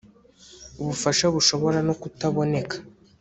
ubufasha bushobora no kutaboneka